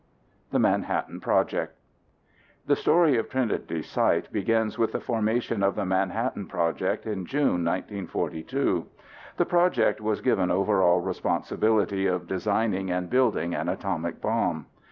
The Manhattan Project The story of Trinity Site begins with the formation of the Manhattan Project in June 1942. The project was given overall responsibility of designing and building an atomic bomb.